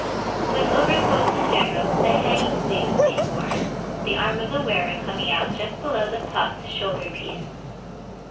With overcoats in general the hanging sleeve is being worn, the arm of the wearer coming out just below the puffed shoulder piece.